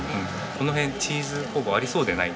この辺チーズ工房ありそうでない。